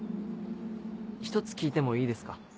１つ聞いてもいいですか？